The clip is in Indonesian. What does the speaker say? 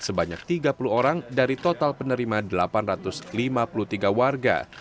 sebanyak tiga puluh orang dari total penerima delapan ratus lima puluh tiga warga